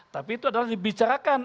tapi itu adalah dibicarakan